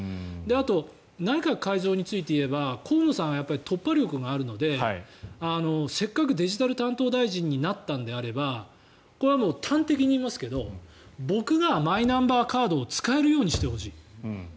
あと、内閣改造について言えば河野さんは突破力があるのでせっかくデジタル担当大臣になったのであればこれは端的に言いますけど僕がマイナンバーカードを使えるようにしてほしい。